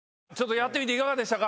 やってみていかがでしたか？